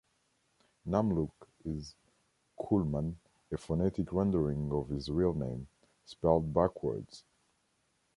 "Namlook" is "Koolman", a phonetic rendering of his real name, spelled backwards.